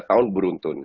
tiga tahun beruntun